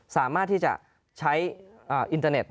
สามารถที่จะใช้อินเทอร์เน็ต